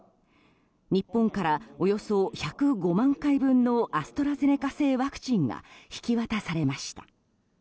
日本からおよそ１０５万回分のアストラゼネカ製ワクチンが引き渡されました。